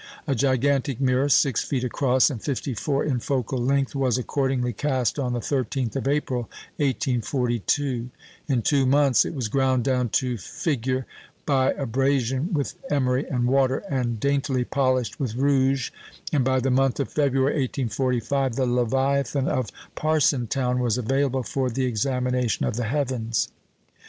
A gigantic mirror, six feet across and fifty four in focal length, was accordingly cast on the 13th of April, 1842; in two months it was ground down to figure by abrasion with emery and water, and daintily polished with rouge; and by the month of February, 1845, the "leviathan of Parsonstown" was available for the examination of the heavens.